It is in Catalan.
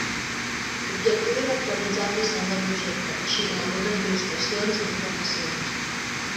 L'objectiu era actualitzar el disseny del projecte, així com algunes il·lustracions i informacions.